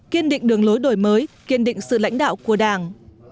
kiên định đường lối đổi mới kiên định sự lãnh đạo của đảng